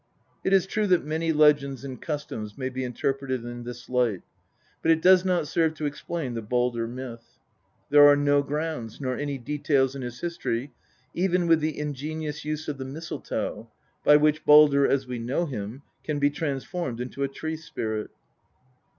It is true that many legends and customs may be interpreted in this light, but it does not serve to explain the Baldr myth. There are no grounds, nor any details in his history, even with the ingenious use of the mistletoe, by which Baldr, as we know him, can be transformed into a tree spirit.